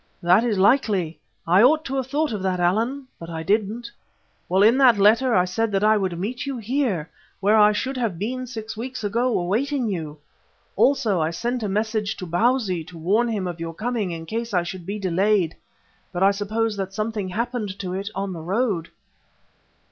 "That is likely. I ought to have thought of that, Allan, but I didn't. Well, in that letter I said that I would meet you here, where I should have been six weeks ago awaiting you. Also I sent a message to Bausi to warn him of your coming in case I should be delayed, but I suppose that something happened to it on the road."